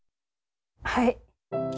はい。